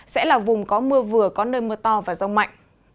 sẽ là vùng có mưa vừa có nơi mưa to và rông mạnh